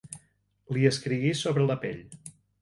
Li escrigui sobre la pell.